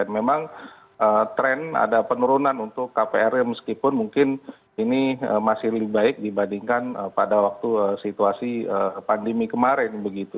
memang tren ada penurunan untuk kpr nya meskipun mungkin ini masih lebih baik dibandingkan pada waktu situasi pandemi kemarin begitu